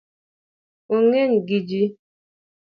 Ong’eny gi ji